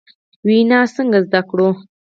وینا څنګه زدکړو ؟